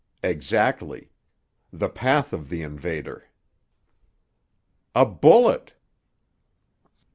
"Exactly: the path of the invader." "A bullet!"